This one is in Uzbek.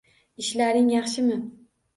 Ishlaring yaxshimi?